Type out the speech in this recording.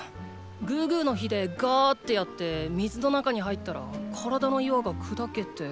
グーグーの火でガーってやって水の中に入ったら体の岩が砕けて。